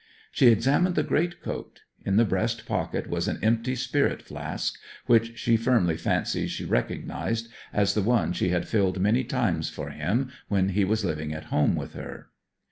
She examined the great coat. In the breast pocket was an empty spirit flask, which she firmly fancied she recognized as the one she had filled many times for him when he was living at home with her.